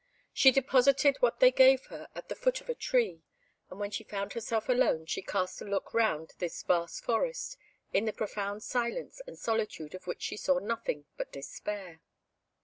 She deposited what they gave her at the foot of a tree, and when she found herself alone she cast a look round this vast forest, in the profound silence and solitude of which she saw nothing but despair.